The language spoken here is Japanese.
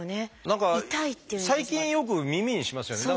何か最近よく耳にしますよね。